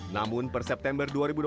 namun per september dua ribu dua puluh